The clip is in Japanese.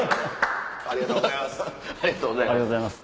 ありがとうございます。